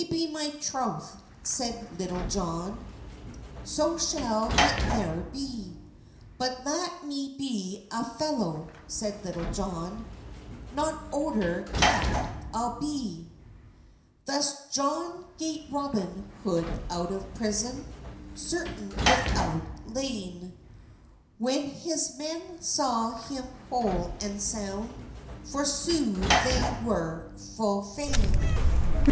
"Nay, be my trouthe," seid Litulle Johne, "So shall hit neuer be, But lat me be a felow," seid Litulle Johne, "Non odur kepe I'll be." Thus Johne gate Robyn Hode out of prisone, Sertan withoutyn layne; When his men saw hym hol and sounde, For sothe they were ful fayne.